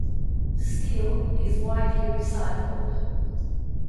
Steel is widely recycled.